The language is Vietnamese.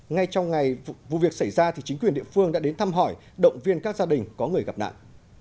ngay trong ngày vụ việc xảy ra chính quyền địa phương đã đến thăm hỏi động viên các gia đình có người gặp nạn